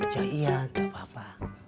jahe ya gak apa apa